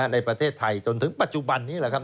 ในประเทศไทยจนถึงปัจจุบันนี้แหละครับ